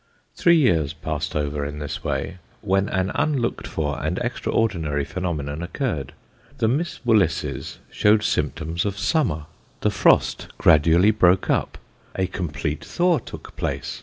Three years passed over in this way, when an unlooked for and extraordinary phenomenon occurred. The Miss Willises showed symptoms of summer, the frost gradually A Quadrilateral Marriage. 1 1 broke up ; a complete thaw took place.